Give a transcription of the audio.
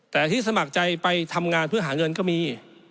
แต่ที่สมัครใจไปทำงานเพื่อหาเงินก็มี